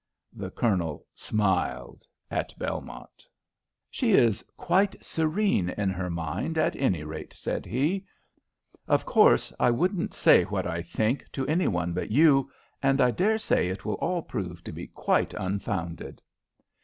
The Colonel smiled at Belmont. "She is quite serene in her mind, at any rate," said he. "Of course, I wouldn't say what I think to any one but you, and I dare say it will all prove to be quite unfounded."